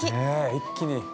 ◆一気に。